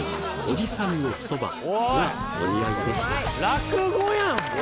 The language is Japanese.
落語やん！